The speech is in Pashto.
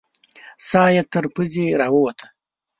ساه یې تر پزې راووته.